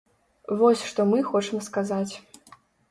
Вось што мы хочам сказаць.